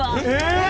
え！？